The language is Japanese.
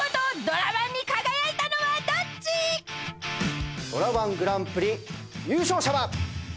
ドラ−１グランプリ優勝者は。